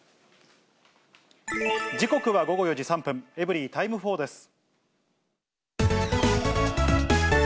時刻は午後４時３分、エブリィタイム４です。